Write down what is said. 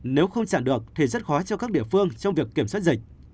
nếu không trả được thì rất khó cho các địa phương trong việc kiểm soát dịch